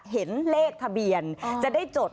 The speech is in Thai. เห็นเลขทะเบียนจะได้จด